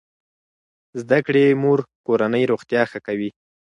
زده کړې مور کورنۍ روغتیا ښه کوي.